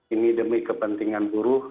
ini demi kepentingan buruh